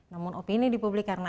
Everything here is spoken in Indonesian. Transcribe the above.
namun opini di publik karena